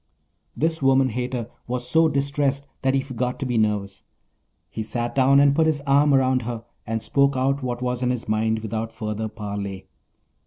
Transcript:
The woman hater was so distressed that he forgot to be nervous. He sat down and put his arm around her and spoke out what was in his mind without further parley.